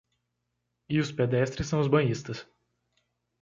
E os pedestres são os banhistas